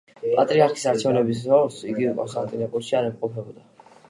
პატრიარქის არჩევნების დროს იგი კონსტანტინოპოლში არ იმყოფებოდა.